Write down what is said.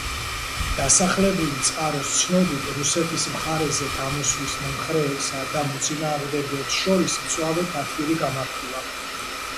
დასახელებული წყაროს ცნობით რუსეთის მხარეზე გამოსვლის მომხრეებსა და მოწინააღმდეგებს შორის მწვავე თათბირი გამართულა.